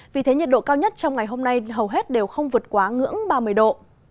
vì thế nhiệt độ cao nhất trong ngày hôm nay hầu hết đều không vượt quá ngưỡng ba mươi độ